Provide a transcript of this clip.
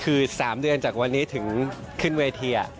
คือ๓เดือนจากวันนี้ถึงขึ้นเวที